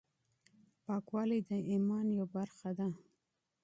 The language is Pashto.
پاکوالی د ايمان يوه برخه ده.